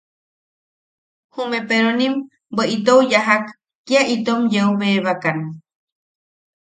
Jume peronim bwe itou yajak, kia itom yeu bebakan.